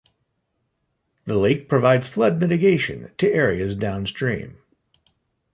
The lake provides flood mitigation to areas downstream.